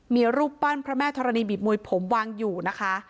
มีรูปปั้นพระแม่ธรณีบีบมวยผมวางอยู่นะคะ